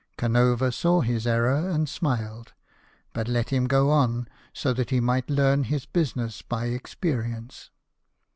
Canova saw his error and smiled, but let him go on so that he might learn his business by experience.